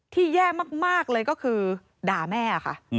แย่มากเลยก็คือด่าแม่ค่ะ